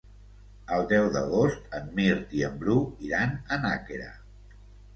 El deu d'agost en Mirt i en Bru iran a Nàquera.